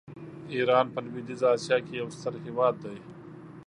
ایران په لویدیځه آسیا کې یو ستر هېواد دی.